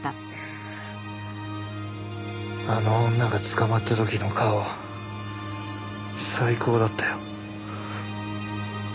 あの女が捕まった時の顔最高だったよ。